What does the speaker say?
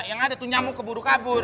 yang ada itu nyamuk keburu kabur